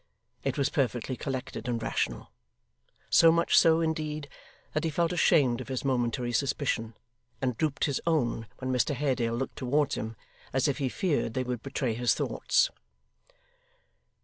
It was perfectly collected and rational; so much so, indeed, that he felt ashamed of his momentary suspicion, and drooped his own when Mr Haredale looked towards him, as if he feared they would betray his thoughts.